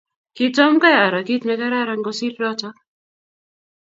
Kitomkai aro kit nekararan kosir notok.